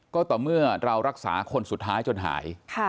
ก็ต่อเมื่อเรารักษาคนสุดท้ายจนหาย